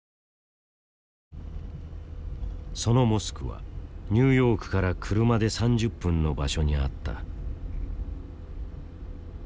そのモスクはニューヨークから車で３０分の場所にあった。